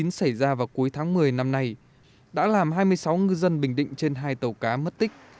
cơn bão số chín xảy ra vào cuối tháng một mươi năm nay đã làm hai mươi sáu ngư dân bình định trên hai tàu cá mất tích